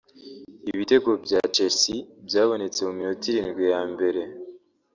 Ibitego bya Chelsea byabonetse mu minota irindwi ya mbere